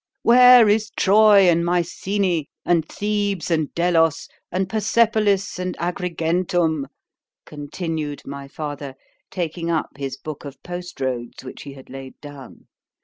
"Where is Troy and Mycenæ, and Thebes and Delos, and Persepolis and Agrigentum?"—continued my father, taking up his book of post roads, which he had laid down.